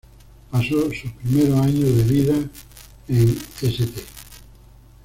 Pasó sus primeros años de vida en St.